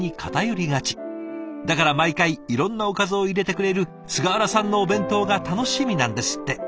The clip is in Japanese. だから毎回いろんなおかずを入れてくれる菅原さんのお弁当が楽しみなんですって。